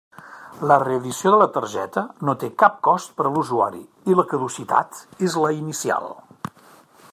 La reedició de la targeta no té cap cost per a l'usuari i la caducitat és la inicial.